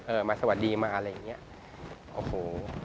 มาสวัสดีมาอะไรอย่างเงี้ยโอ้โห